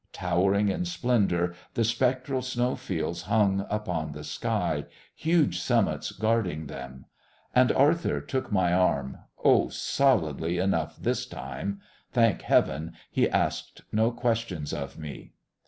Towering in splendour the spectral snowfields hung upon the sky, huge summits guarding them. And Arthur took my arm oh, solidly enough this time. Thank heaven, he asked no questions of me.